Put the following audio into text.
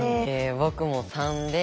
僕も３で。